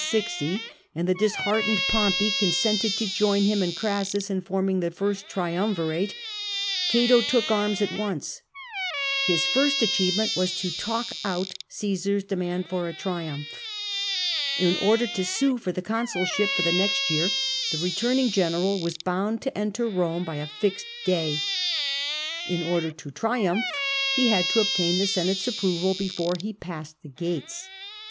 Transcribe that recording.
6o, and the disheartened Pompey consented to join him and Orassus in forming the First Triumvirate," Cato took arms at once. His first achievement was to '' talk out '' CassaFs demand for a triumph. In order to sue for the consulship for the next year the returning general was bound to enter Rome by a fixed day. In order to triumph he had to obtain the Senate's approval before he passed the gates.